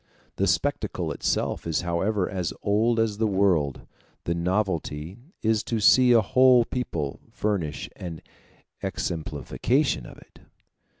The spectacle itself is however as old as the world; the novelty is to see a whole people furnish an exemplification of it.